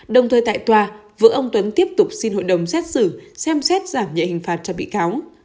đồng thời tại tòa ông tuấn tiếp tục xin hội đồng xét xử xem xét giảm nhẹ hình phạt cho bị cáo